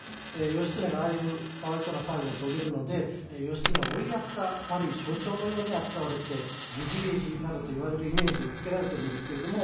義経がああいうかわいそうな最期を遂げるので義経を追いやった悪い象徴のように扱われて「げじげじ」などと言われるイメージをつけられてるんですけれども。